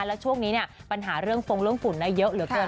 แล้วช่วงนี้เนี่ยปัญหาเรื่องฟงเรื่องฝุ่นเยอะเหลือเกิน